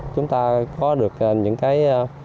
chúng ta có được những cái